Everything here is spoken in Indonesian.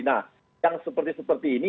nah yang seperti seperti ini